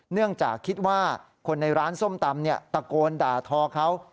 เนื่องจากคิดว่าคนในร้านส้มตำตะโกนด่าทอเขา